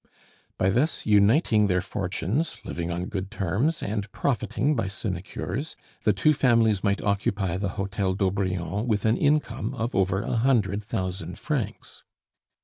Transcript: By thus uniting their fortunes, living on good terms, and profiting by sinecures, the two families might occupy the hotel d'Aubrion with an income of over a hundred thousand francs.